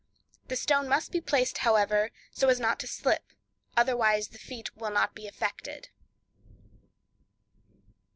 The stone must be placed, however, so as not to slip, otherwise the feat will not be effected.